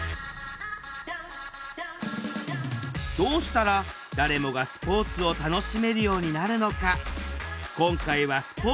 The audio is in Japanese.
どうしたら誰もがスポーツを楽しめるようになるのか？